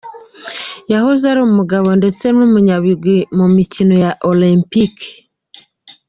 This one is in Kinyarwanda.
Yahoze ari umugabo ndetse n'umunyabigwi mu mikino ya olempike.